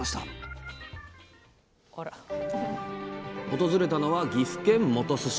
訪れたのは岐阜県本巣市。